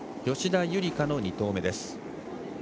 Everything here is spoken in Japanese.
吉田夕梨花の２投目です。